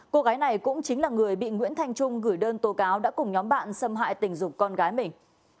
cô gái này cũng chính là người bị nguyễn thanh trung gửi đơn tố cáo đã cùng nhóm bạn xâm hại tình dục con gái mình